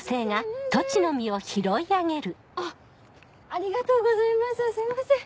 ありがとうございますすいません。